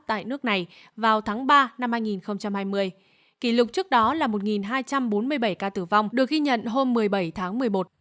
tại nước này vào tháng ba năm hai nghìn hai mươi kỷ lục trước đó là một hai trăm bốn mươi bảy ca tử vong được ghi nhận hôm một mươi bảy tháng một mươi một